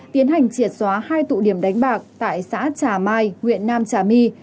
tiến hành triệt xóa hai tụ điểm đánh bạc tại xã trà mai huyện nam trà my